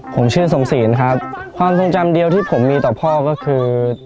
ผมชื่นทรงศีลครับความทรงจำเดียวที่ผมมีต่อพ่อก็คือ